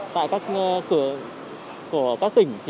tại các cửa của các tỉnh